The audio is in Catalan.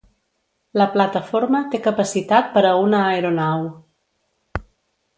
La plataforma té capacitat per a una aeronau.